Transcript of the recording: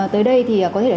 tới đây thì có thể là